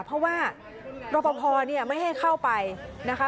เพราะว่ารอปภไม่ให้เข้าไปนะคะ